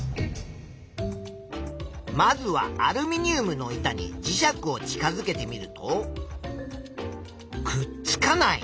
まずはアルミニウムの板に磁石を近づけてみるとくっつかない。